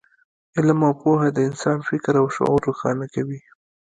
علم او پوهه د انسان فکر او شعور روښانه کوي.